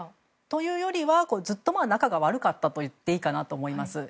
というよりはずっと仲が悪かったといっていいと思います。